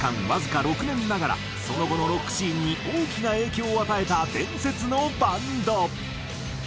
わずか６年ながらその後のロックシーンに大きな影響を与えた伝説のバンド。